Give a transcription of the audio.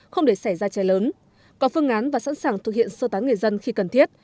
không để xảy ra cháy lớn có phương án và sẵn sàng thực hiện sơ tán người dân khi cần thiết